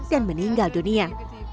dan meninggal dunia